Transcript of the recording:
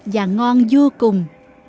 và ngon vô cùng